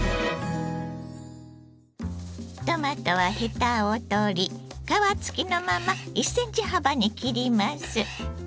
トマトはヘタを取り皮つきのまま１センチ幅に切ります。